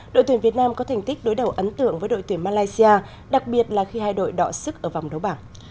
đội tuyển việt nam có thành tích đối đầu ấn tượng với đội tuyển malaysia đặc biệt là khi hai đội đọa sức ở vòng đấu bảng